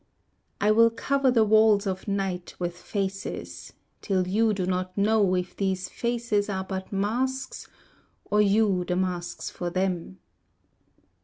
I will cover the walls of night With faces, Till you do not know If these faces are but masks, or you the masks for them.